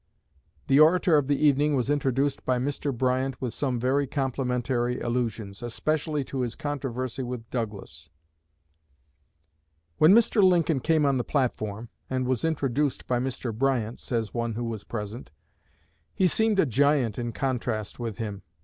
The orator of the evening was introduced by Mr. Bryant with some very complimentary allusions, especially to his controversy with Douglas. "When Mr. Lincoln came on the platform and was introduced by Mr. Bryant," says one who was present, "he seemed a giant in contrast with him.